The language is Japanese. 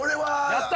やった！